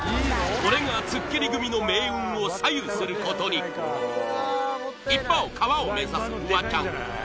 これが突っ切り組の命運を左右することに一方川を目指すフワちゃん